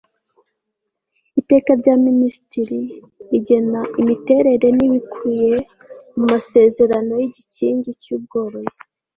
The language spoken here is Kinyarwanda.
iteka rya minisitiri rigena imiterere n'ibikubiye mu masezerano y'igikingi cy'ubworozi